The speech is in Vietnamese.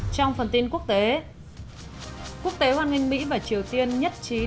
trong phần tin quốc tế quốc tế hoan nghênh mỹ và triều tiên nhất trí đối thợ cấp cao